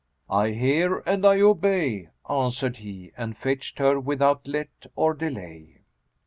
"I hear and I obey," answered he and fetched her without let or delay.